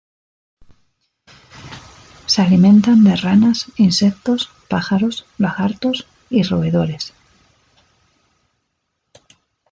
Se alimentan de ranas, insectos, pájaros, lagartos y roedores.